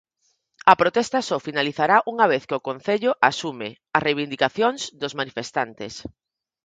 A protesta só finalizará unha vez que o concello asume as reivindicacións dos manifestantes.